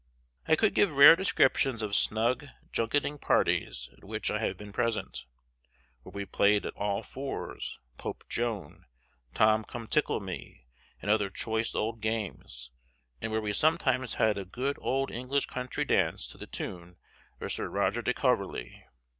I could give rare descriptions of snug junketing parties at which I have been present, where we played at All Fours, Pope Joan, Tom come tickle me, and other choice old games, and where we sometimes had a good old English country dance to the tune of Sir Roger de Coverley.